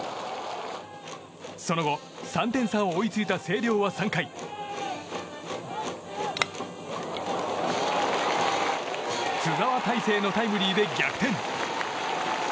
その後、３点差を追いついた星稜は３回津澤泰成のタイムリーで逆転。